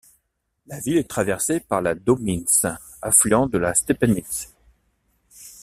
La ville est traversée par la Dömnitz, affluent de la Stepenitz.